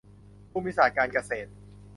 ภูมิศาสตร์การเกษตร